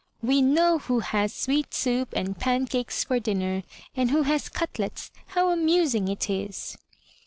"We know who has sweet soup and pancakes for dinner, and who has cutlets; how amusing it is."